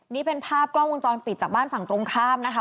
นี่เป็นภาพกล้องวงจรปิดจากบ้านฝั่งตรงข้ามนะคะ